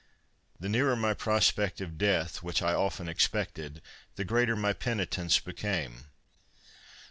The nearer my prospect of death, which I often expected, the greater my penitence became.